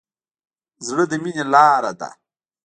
زړه د مینې لاره ده.